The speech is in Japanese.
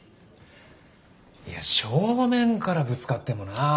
いや正面からぶつかってもなあ。